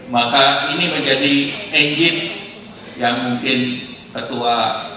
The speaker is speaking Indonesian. maka ini menjadi engine yang mungkin ketua